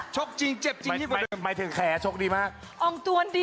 ชกจริงเจ็บจริง